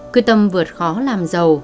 quyết tâm vượt khó làm giàu